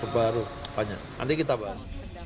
banyak nanti kita bahas